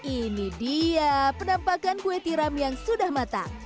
ini dia penampakan kue tiram yang sudah matang